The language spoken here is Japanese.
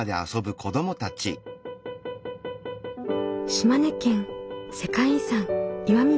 島根県世界遺産岩見